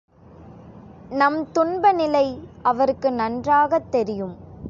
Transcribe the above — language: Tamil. நம் துன்பநிலை அவருக்கு நன்றாகத் தெரியும்.